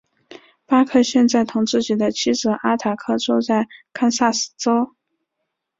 巴克现在同自己的妻子阿塔克住在堪萨斯州。